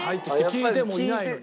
聞いてもいないのに。